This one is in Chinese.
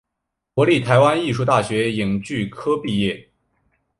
国立台湾艺术大学影剧科毕业。